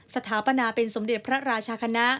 สถาปนาเป็นสมเด็จพระราชคณะ